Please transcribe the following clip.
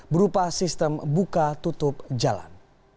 berupa sistem buka tutup jalan